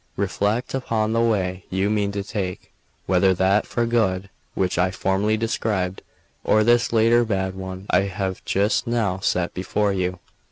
Reflect upon the way you mean to take, whether that for good which I formerly described, or this latter bad one I have just now set before you."